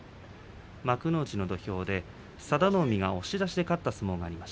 幕内の土俵で、佐田の海が押し出しで勝った相撲があります。